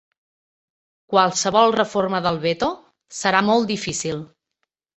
Qualsevol reforma del veto serà molt difícil.